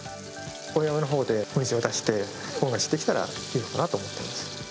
大山のほうでお店を出して、恩返しできたらいいのかなと思ってます。